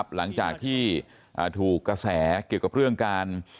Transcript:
หลังจากที่ถูกกระแสเกี่ยวกับเรื่องการ